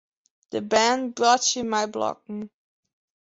De bern boartsje mei blokken.